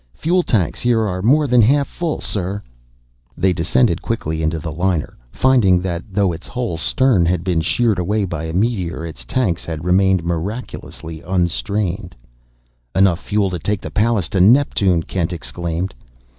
"Fuel tanks here are more than half full, sir!" They descended quickly into the liner, finding that though its whole stern had been sheared away by a meteor, its tanks had remained miraculously unstrained. "Enough fuel here to take the Pallas to Neptune!" Kent exclaimed.